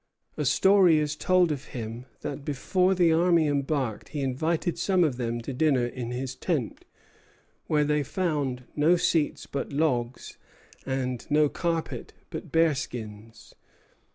A story is told of him that before the army embarked he invited some of them to dinner in his tent, where they found no seats but logs, and no carpet but bearskins.